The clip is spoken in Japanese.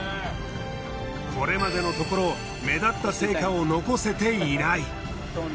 これまでのところ目立った成果を残せていない。